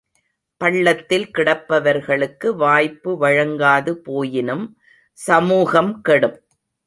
பள்ளத்தில் கிடப்பவர்களுக்கு வாய்ப்பு வழங்காது போயினும் சமூகம் கெடும்!